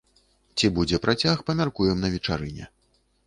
Ці будзе працяг, памяркуем на вечарыне.